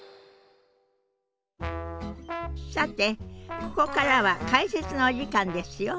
さてここからは解説のお時間ですよ。